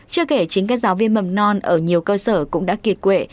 chưa kể chính các giáo viên mầm non ở nhiều cơ sở cũng đã kiệt quệ